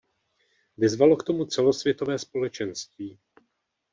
Vyzvalo k tomu celosvětové společenství.